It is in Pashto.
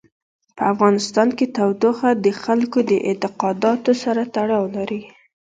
په افغانستان کې تودوخه د خلکو د اعتقاداتو سره تړاو لري.